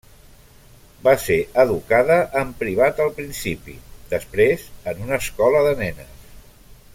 Va ser educada en privat al principi, després en una escola de nenes.